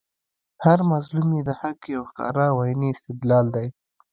هر مظلوم ئې د حق یو ښکاره او عیني استدلال دئ